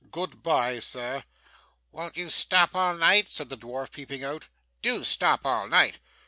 'Good bye, Sir.' 'Won't you stop all night?' said the dwarf, peeping out. 'Do stop all night!